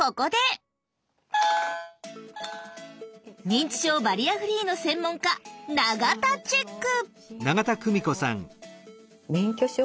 認知症バリアフリーの専門家永田チェック！